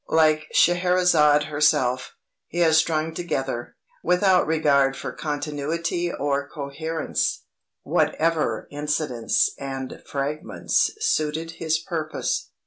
Like Scheherazade herself, he has strung together, without regard for continuity or coherence, whatever incidents and fragments suited his purpose.